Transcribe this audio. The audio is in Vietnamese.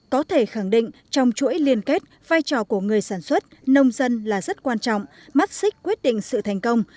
có thể khẳng định trong chuỗi liên kết vai trò của người sản xuất nông dân là rất quan trọng mắt xích quyết định sự thành công